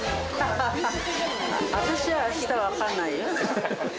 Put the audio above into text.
私はあしたは分かんないよ。